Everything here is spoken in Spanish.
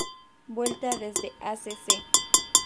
Vuelta: Desde Acc.